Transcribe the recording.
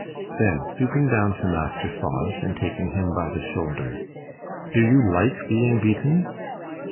Then stooping down to Master Fodge, and taking him by the shoulder, 'Do you like being beaten?